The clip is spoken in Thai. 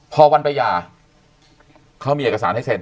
พอวันไปหย่าเขามีเอกสารให้เซ็น